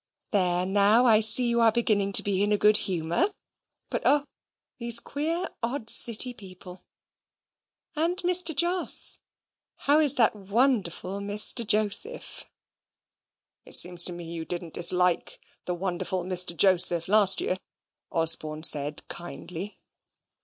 There now, I see you are beginning to be in a good humour; but oh these queer odd City people! And Mr. Jos how is that wonderful Mr. Joseph?" "It seems to me you didn't dislike that wonderful Mr. Joseph last year," Osborne said kindly.